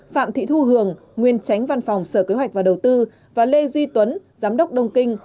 phạm thị thu hường nguyên tránh văn phòng sở kế hoạch và đầu tư và lê duy tuấn giám đốc đông kinh